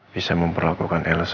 maka terhadap elise